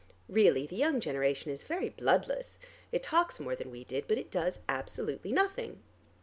Really the young generation is very bloodless: it talks more than we did, but it does absolutely nothing."